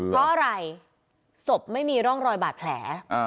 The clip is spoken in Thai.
เพราะอะไรศพไม่มีร่องรอยบาดแผล